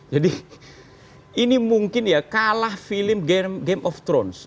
jadi ini mungkin ya kalah film game of thrones